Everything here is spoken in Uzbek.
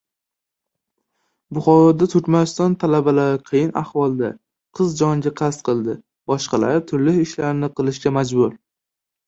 Buxoroda Turkmaniston talabalari qiyin ahvolda: qiz joniga qasd qildi, boshqalari turli ishlarni qilishga majbur